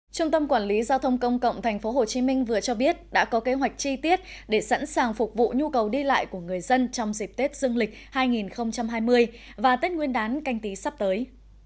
trung tâm quản lý giao thông công cộng tp hcm vừa cho biết đã có kế hoạch chi tiết để sẵn sàng phục vụ nhu cầu đi lại của người dân trong dịp tết dương lịch hai mươi và tết nguyên đán canh tí sắp tới